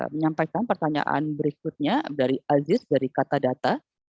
menyampaikan pertanyaan berikutnya dari aziz dari katadata